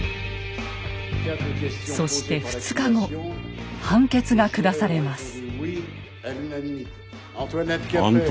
そして２日後判決が下されます。